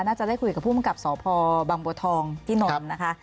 น่าจะได้คุยกับผู้มกับสพบังบัวทองที่นนท์นะคะ